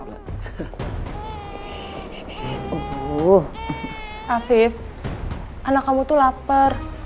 afif anak kamu tuh lapar